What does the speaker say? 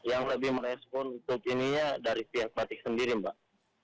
yang lebih merespon untuk ininya dari pihak batik sendiri mbak